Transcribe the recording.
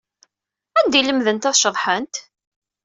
Anda ay lemdent ad ceḍḥent?